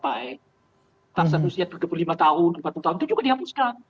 atas usia tiga puluh lima tahun empat puluh tahun itu juga dihapuskan